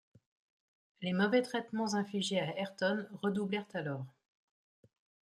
Les mauvais traitements infligés à Ayrton redoublèrent alors